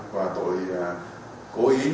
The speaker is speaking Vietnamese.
và tội cố ý